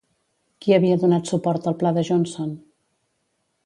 Qui havia donat suport al pla de Johnson?